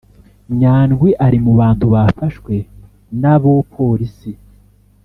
nyandwi ari mu bantu bafashwe n’abopolisi